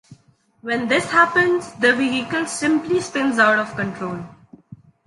When this happens, the vehicle simply spins out of control.